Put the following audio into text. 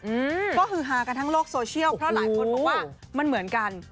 อืมก็คือฮากันทั้งโลกโซเชียลเพราะหลายคนบอกว่ามันเหมือนกัน